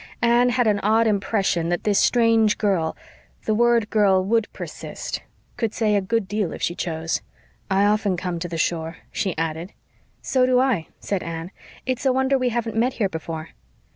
Anne had an odd impression that this strange girl the word "girl" would persist could say a good deal if she chose. "I often come to the shore," she added. "So do I," said Anne. "It's a wonder we haven't met here before."